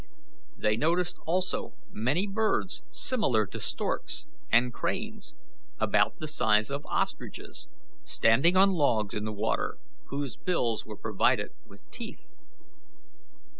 They noticed also many birds similar to storks and cranes, about the size of ostriches, standing on logs in the water, whose bills were provided with teeth.